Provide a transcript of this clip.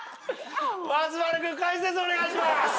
松丸君解説お願いします！